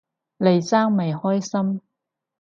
黎生咪開心